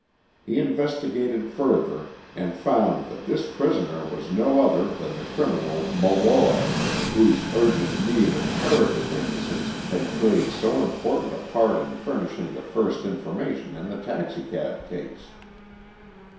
He investigated further, and found that this prisoner was no other than the criminal Molloy, whose urgent need of "character witnesses" had played so important a part in furnishing the first information in the taxicab case.